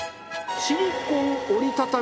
シリコン折りたたみ